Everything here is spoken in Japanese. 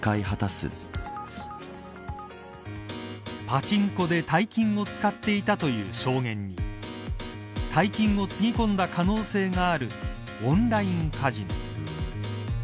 パチンコで大金を使っていたという証言に大金をつぎ込んだ可能性があるオンラインカジノ。